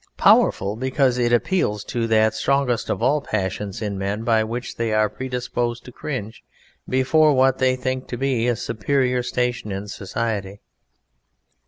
"Powerful," because it appeals to that strongest of all passions in men by which they are predisposed to cringe before what they think to be a superior station in society.